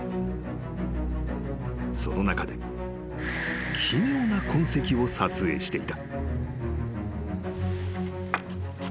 ［その中で奇妙な痕跡を撮影していた］